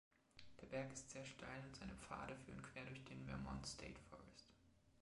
Der Berg ist sehr steil, und seine Pfade führen quer durch den Vermont state forest.